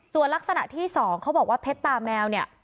ส่วนลักษณะที่๒เขาบอกว่าเพชรตาแมวเนี่ย